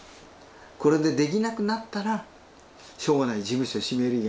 これでできなくなったらしょうがない事務所閉める以外ないんだけど。